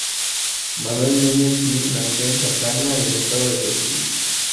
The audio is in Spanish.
Manuel Núñez Gil nació en Santa Ana del Estado Trujillo.